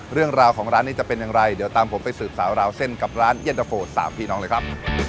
เรื่องราวของร้านนี้จะเป็นอย่างไรเดี๋ยวตามผมไปสืบสาวราวเส้นกับร้านเย็นตะโฟ๓พี่น้องเลยครับ